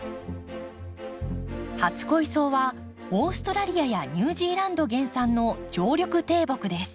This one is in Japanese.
初恋草はオーストラリアやニュージーランド原産の常緑低木です。